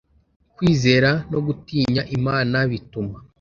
kwizera no gutinya imana bituma